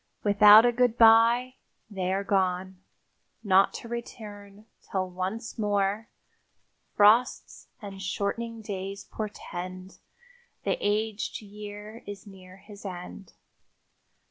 Without a goodby they are gone, not to return till once more "Frosts and shortening days portend The aged year is near his end."